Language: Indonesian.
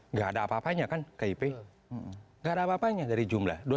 nggak ada apa apanya kan kip nggak ada apa apanya dari jumlah